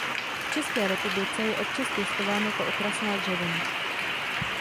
V České republice je občas pěstován jako okrasná dřevina.